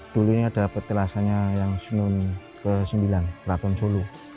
dulu ini adalah petilasannya yang ke sembilan raton solo